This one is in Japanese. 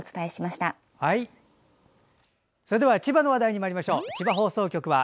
それでは千葉の話題にまいりましょう。